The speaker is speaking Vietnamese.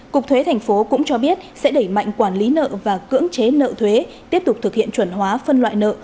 cục thuế thành phố cũng cho biết sẽ đẩy mạnh quản lý nợ và cưỡng chế nợ thuế tiếp tục thực hiện chuẩn hóa phân loại nợ